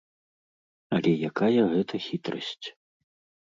Але якая гэта хітрасць?